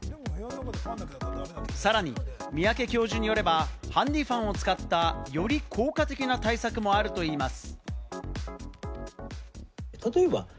さらに三宅教授によれば、ハンディファンを使った、より効果的な対策もあるといいます。